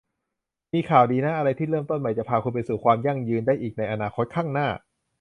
มีข่าวดีนะ อะไรที่เริ่มต้นใหม่จะพาคุณไปสู่ความยั่งยืนได้อีกในอนาคตข้างหน้า